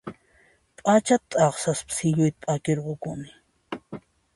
P'achata t'aqsaspa silluyta p'akirqukuni